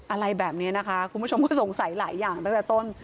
อะไรแบบนี้นะคะคุณผู้ชมก็สงสัยหลายอย่างตั้งแต่ต้น